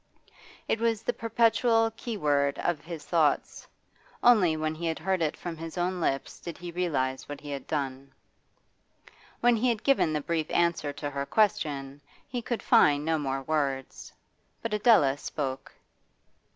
It was the perpetual key word of his thoughts; only when he had heard it from his own lips did he realise what he had done. When he had given the brief answer to her question he could find no more words. But Adela spoke.